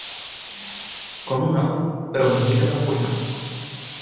Com un ou però una mica deformat.